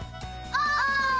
お！